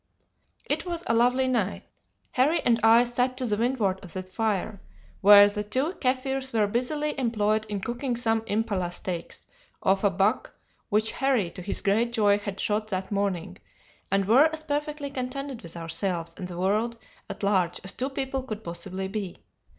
"It was a lovely night. Harry and I sat to the windward of the fire, where the two Kaffirs were busily employed in cooking some impala steaks off a buck which Harry, to his great joy, had shot that morning, and were as perfectly contented with ourselves and the world at large as two people could possibly be.